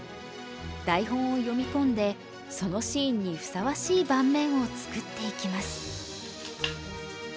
台本を読み込んでそのシーンにふさわしい盤面を作っていきます。